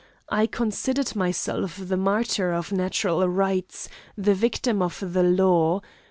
I considered myself the martyr of natural rights, the victim of the law.